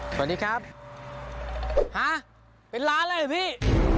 สวัสดีครับฮะเป็นล้านเลยเหรอพี่